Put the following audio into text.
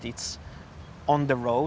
itu di jalanan